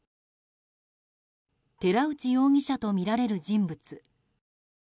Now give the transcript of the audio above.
寺内容疑者とみられる人物。